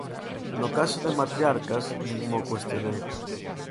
No caso de "Matriarcas" nin mo cuestionei.